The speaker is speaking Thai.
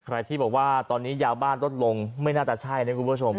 ที่บอกว่าตอนนี้ยาบ้านลดลงไม่น่าจะใช่นะคุณผู้ชม